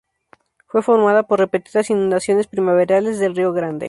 Fue formado por repetidas inundaciones primaverales del Río Grande.